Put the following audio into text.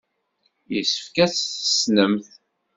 Yessefk ad t-tessnemt.